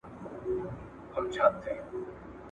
دومره د فلک تر شنې مېچني لاندي تللی یم ..